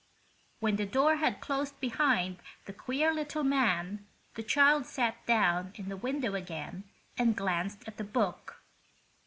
When the door had closed behind the queer little man the child sat down in the window again and glanced at the book.